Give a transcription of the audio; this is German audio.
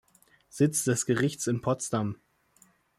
Sitz des Gerichts ist Potsdam.